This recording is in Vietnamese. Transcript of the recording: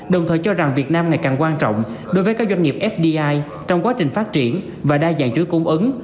đồng thời cho rằng việt nam ngày càng quan trọng đối với các doanh nghiệp fdi trong quá trình phát triển và đa dạng chuỗi cung ứng